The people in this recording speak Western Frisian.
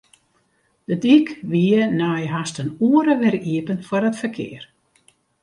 De dyk wie nei hast in oere wer iepen foar it ferkear.